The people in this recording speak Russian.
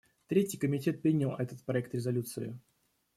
Третий комитет принял этот проект резолюции.